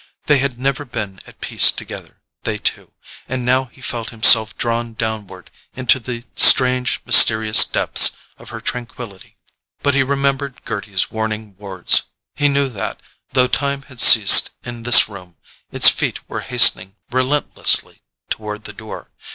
They had never been at peace together, they two; and now he felt himself drawn downward into the strange mysterious depths of her tranquillity. But he remembered Gerty's warning words—he knew that, though time had ceased in this room, its feet were hastening relentlessly toward the door.